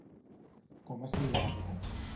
Com es diu la gateta?